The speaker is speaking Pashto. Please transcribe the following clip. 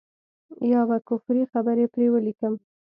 يا به کفري خبرې پرې وليکم.